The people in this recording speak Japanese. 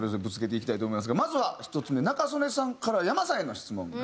まずは１つ目仲宗根さんからｙａｍａさんへの質問でございます。